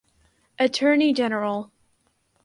Attorney General